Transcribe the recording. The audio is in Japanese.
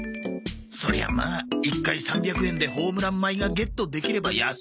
そりゃまあ１回３００円でホームラン米がゲットできれば安いけどさ。